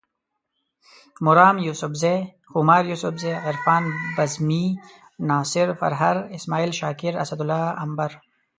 مرام یوسفزے، خمار یوسفزے، عرفان بزمي، ناصر پرهر، اسماعیل شاکر، اسدالله امبر